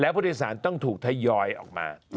พิสารต้องถูกทยอยออกมา